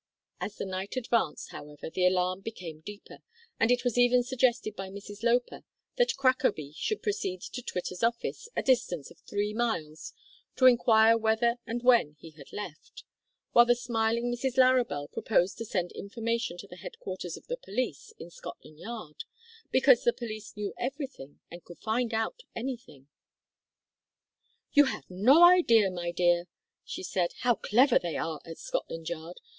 As the night advanced, however, the alarm became deeper, and it was even suggested by Mrs Loper that Crackaby should proceed to Twitter's office a distance of three miles to inquire whether and when he had left; while the smiling Mrs Larrabel proposed to send information to the headquarters of the police in Scotland Yard, because the police knew everything, and could find out anything. "You have no idea, my dear," she said, "how clever they are at Scotland Yard.